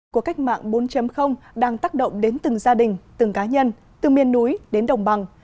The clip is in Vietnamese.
cuộc cách mạng bốn đang tác động đến từng gia đình từng cá nhân từ miền núi đến đồng bằng